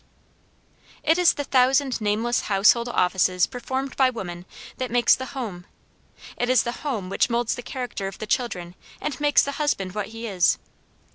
It is the thousand nameless household offices performed by woman that makes the home: it is the home which moulds the character of the children and makes the husband what he is.